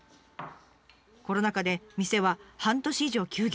コロナ禍で店は半年以上休業。